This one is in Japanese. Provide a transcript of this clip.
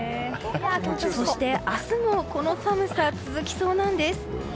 そして明日もこの寒さが続きそうなんです。